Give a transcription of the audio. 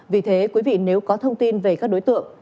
vì thế quý vị nếu có thông tin về các đối tượng